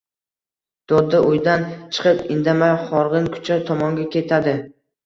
doda uydan chiqib indamay xorg’in kucha tomonga ketadi.